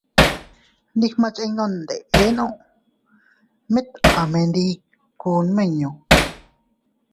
Ndi ma chinno ndenno, mit a mendiku nmiñu.